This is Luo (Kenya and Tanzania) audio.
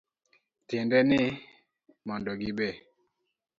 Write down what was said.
Tiende ni, mondo gibe